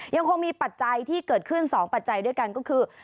ยังคงมีปัจจัยที่เกิดขึ้น๒ปัจจัยด้วยกันก็คือ